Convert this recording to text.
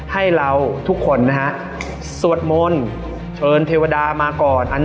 ให้เราทุกคนนะฮะสวดมนต์เชิญเทวดามาก่อน